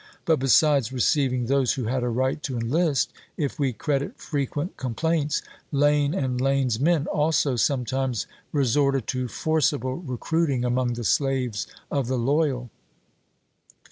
But besides receiving those who had a right to enlist, if we credit frequent complaints, Lane and Lane's men also sometimes resorted to forcible recruiting among the slaves of the loyal.